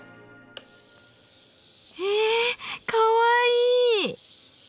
へえかわいい！